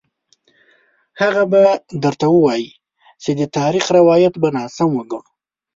هغه به درته ووايي چې د تاریخ روایت به ناسم وګڼو.